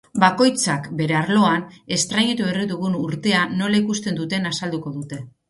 Bakoitzak bere arloan, estreinatu berri dugun urtea nola ikusten duten azalduko dute.